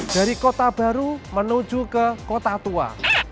dari kota baru menuju ke kota tua